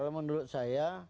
kalau menurut saya